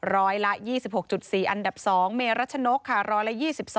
ร้อยละ๒๖๔อันดับสองเมรัชนกค่ะร้อยละ๒๒